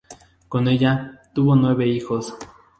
Con ella, tuvo nueve hijos.